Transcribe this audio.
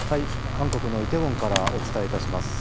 韓国のイテウォンからお伝えいたします。